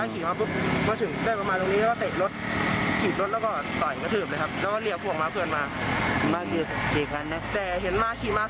ขี่ตามาที่หลัง